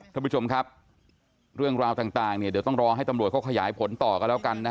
ท่านผู้ชมครับเรื่องราวต่างเนี่ยเดี๋ยวต้องรอให้ตำรวจเขาขยายผลต่อกันแล้วกันนะ